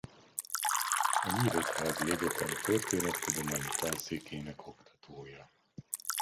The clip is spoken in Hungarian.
A Nyíregyházi Egyetem Történettudományi Tanszékének oktatója.